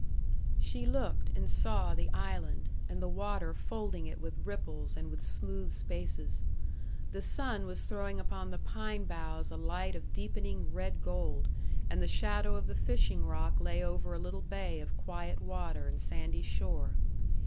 She looked, and saw the island, and the water folding it with ripples and with smooth spaces. The sun was throwing upon the pine boughs a light of deepening red gold, and the shadow of the fishing rock lay over a little bay of quiet water and sandy shore.